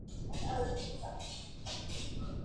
იქვე ფესტივალის მუზის ალა პუგაჩოვას პრიზი მიიღო.